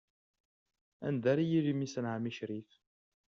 Anda ara yili mmi-s n ɛemmi Crif?